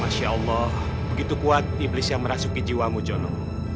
masya allah begitu kuat iblis yang merasuki jiwamu jono